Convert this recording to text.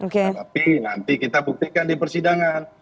tapi nanti kita buktikan di persidangan